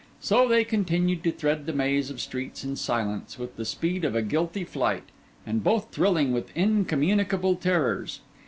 So they continued to thread the maze of streets in silence, with the speed of a guilty flight, and both thrilling with incommunicable terrors.